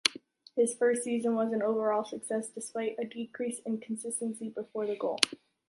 His first season was an overall success despite a decrease in consistency before the goal.